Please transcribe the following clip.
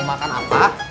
mau makan apa